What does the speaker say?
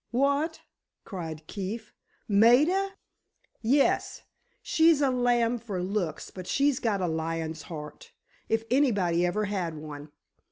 "What?" cried Keefe. "Maida!" "Yes; she's a lamb for looks, but she's got a lion's heart—if anybody ever had one!